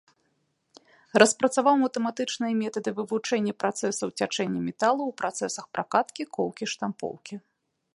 Распрацаваў матэматычныя метады вывучэння працэсаў цячэння металаў у працэсах пракаткі, коўкі, штампоўкі.